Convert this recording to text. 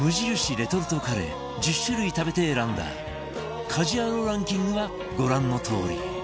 レトルトカレー１０種類食べて選んだ家事ヤロウランキングはご覧のとおり